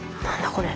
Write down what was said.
これ。